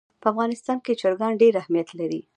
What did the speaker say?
په افغانستان کې چرګان ډېر اهمیت لري.